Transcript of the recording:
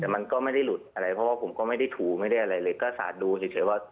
แต่มันก็ไม่ได้หลุดอะไรเพราะว่าผมก็ไม่ได้ถูไม่ได้อะไรเลยก็สาดดูเฉยว่า